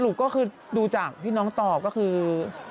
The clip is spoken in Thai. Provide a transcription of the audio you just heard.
ก็คือดูจากที่น้องตอบก็คือ